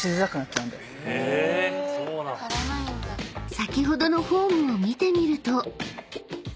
［先ほどのフォームを見てみると］